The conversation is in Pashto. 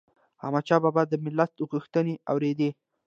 احمدشاه بابا به د ملت غوښتنې اوريدي